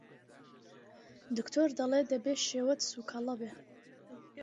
دکتۆر دەڵێ دەبێ شێوت سووکەڵە بێ!